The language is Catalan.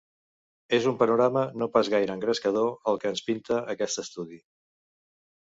És un panorama no pas gaire engrescador, el que ens pinta aquest estudi.